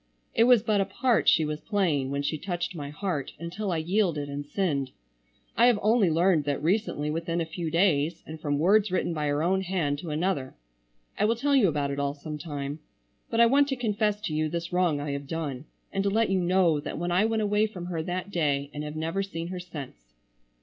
It was but a part she was playing when she touched my heart until I yielded and sinned. I have only learned that recently, within a few days, and from words written by her own hand to another. I will tell you about it all sometime. But I want to confess to you this wrong I have done, and to let you know that I went away from her that day and have never seen her since.